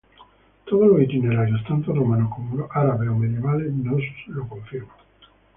Todos los itinerarios, tanto romanos como árabes o medievales, nos lo confirman.